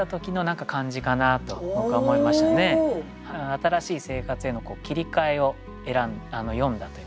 新しい生活への切り替えを詠んだといいますかね。